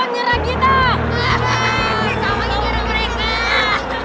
sama juga dengan mereka